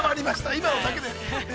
今のだけで。